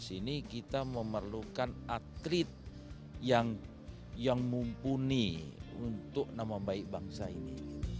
dua ribu delapan belas ini kita memerlukan atlet yang mumpuni untuk nama baik bangsa ini